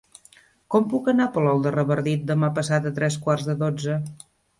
Com puc anar a Palol de Revardit demà passat a tres quarts de dotze?